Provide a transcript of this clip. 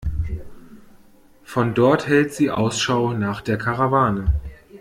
Von dort hält sie Ausschau nach der Karawane.